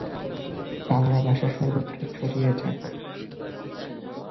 Pleistocene যুগের কিছু পর্বে পৃথিবীর তাপমাত্রা এত নিচে নেমে যেত যে ভূ-পৃষ্ঠের বেশির ভাগ জল বরফে পরিণত হত।